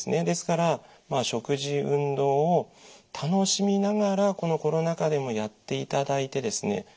ですから食事運動を楽しみながらこのコロナ禍でもやっていただいてですね